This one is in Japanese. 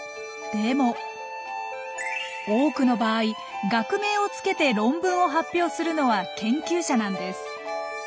でも多くの場合学名をつけて論文を発表するのは研究者なんです。